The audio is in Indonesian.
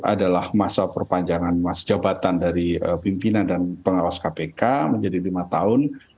adalah masa perpanjangan masa jabatan dari pimpinan dan pengawas kpk menjadi lima tahun